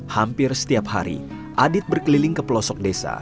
hampir setiap hari adit berkeliling ke pelosok desa